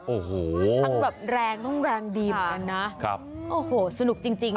โอ้โหทั้งแบบแรงต้องแรงดีเหมือนกันนะครับโอ้โหสนุกจริง